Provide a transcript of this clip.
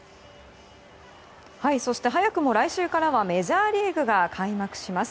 そして早くも来週からはメジャーリーグが開幕します。